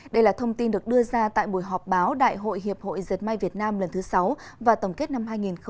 đây là thông tin được đưa ra tại buổi họp báo đại hội hiệp hội diệt may việt nam lần thứ sáu và tổng kết năm hai nghìn hai mươi